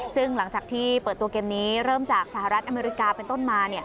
ซึ่งหลังจากที่เปิดตัวเกมนี้เริ่มจากสหรัฐอเมริกาเป็นต้นมา